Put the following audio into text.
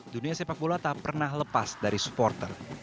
dunia sepak bola tak pernah lepas dari supporter